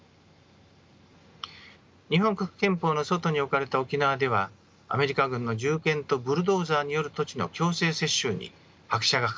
日本国憲法の外に置かれた沖縄ではアメリカ軍の銃剣とブルドーザーによる土地の強制接収に拍車がかかりました。